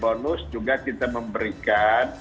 bonus juga kita memberikan